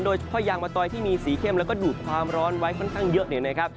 โดยพ่อยางมะตอยที่มีสีเข้มแล้วก็ดูดความร้อนไว้ค่อนข้างเยอะ